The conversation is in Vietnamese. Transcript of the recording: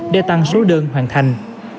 để tăng số đơn hoàn thành